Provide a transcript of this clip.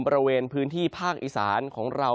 บริเวณพื้นที่ภาคอีสานของเรา